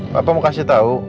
papa mau kasih tau